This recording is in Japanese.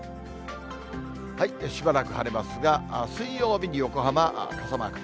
しばらく晴れますが、水曜日に横浜、傘マーク。